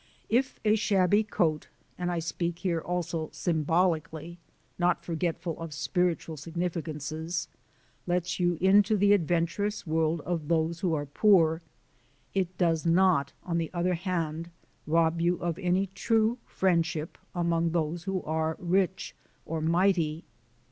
If a shabby coat (and I speak here also symbolically, not forgetful of spiritual significances) lets you into the adventurous world of those who are poor it does not on the other hand rob you of any true friendship among those who are rich or mighty.